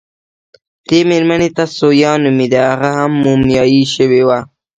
دې مېرمنې ته ثویا نومېده، هغه هم مومیايي شوې وه.